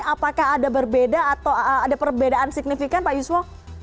apakah ada perbedaan signifikan pak yuswo